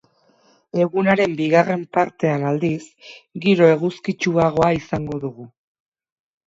Egunaren bigarren partean, aldiz, giro eguzkitsuagoa izango dugu.